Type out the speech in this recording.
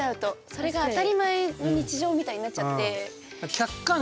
それが当たり前の日常みたいになっちゃって。